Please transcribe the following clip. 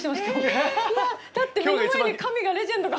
目の前に神がレジェンドが。